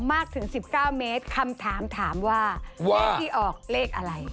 มากถึง๑๙เมตรคำถามถามว่าเลขที่ออกเลขอะไร